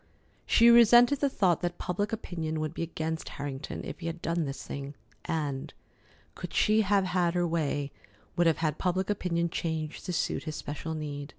She resented the thought that public opinion would be against Harrington if he had done this thing, and, could she have had her way, would have had public opinion changed to suit his special need.